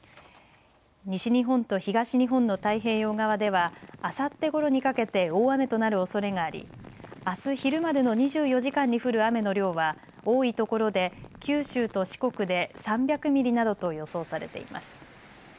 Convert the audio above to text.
西日本と東日本の太平洋側ではあさってごろにかけて大雨となるおそれがあり、あす昼までの２４時間に降る雨の量は多いところで九州と四国で３００ミリなどと予想されています。